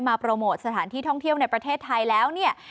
โปรโมทสถานที่ท่องเที่ยวในประเทศไทยแล้วเนี่ย